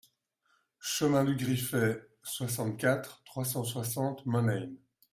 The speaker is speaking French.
Chemin du Griffet, soixante-quatre, trois cent soixante Monein